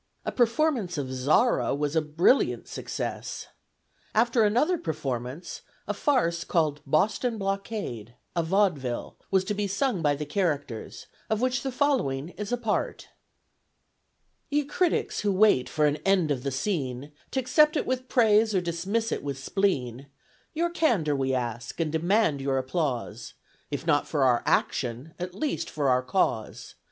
A performance of "Zara" was a brilliant success. After another performance, a farce called "Boston Blockade," a "Vaudevil" was to be sung by the characters, of which the following is a part: Ye Critics, who wait for an End of the Scene, T' accept it with Praise or dismiss it with Spleen; Your Candor we ask and demand your Applause, If not for our Action, at least for our Cause.